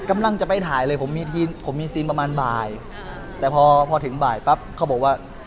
กำลังจะไปถ่ายเลยผมมีทีมผมมีซีนประมาณบ่ายแต่พอพอถึงบ่ายปั๊บเขาบอกว่า